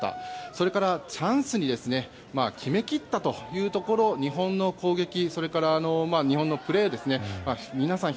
それから、チャンスに決め切ったというところ日本の攻撃それから日本のプレー皆さん